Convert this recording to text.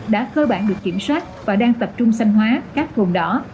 đã cơ bản được kiểm soát và đang tập trung xanh hóa các cồn đỏ